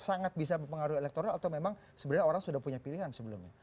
sangat bisa mempengaruhi elektoral atau memang sebenarnya orang sudah punya pilihan sebelumnya